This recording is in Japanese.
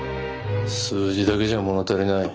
数字だけじゃ物足りない。